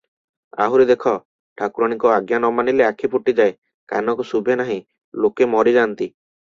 ଆହୁରି ଦେଖ; ଠାକୁରାଣୀଙ୍କ ଆଜ୍ଞା ନ ମାନିଲେ ଆଖି ଫୁଟିଯାଏ, କାନକୁ ଶୁଭେ ନାହିଁ, ଲୋକେ ମରିଯାନ୍ତି ।